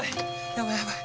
やばいやばい。